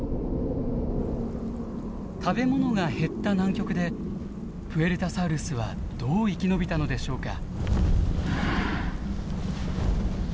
食べ物が減った南極でプエルタサウルスはどう生き延びたのでしょうか。